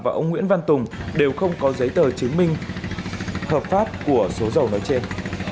và ông nguyễn văn tùng đều không có giấy tờ chứng minh hợp pháp của số dầu nói trên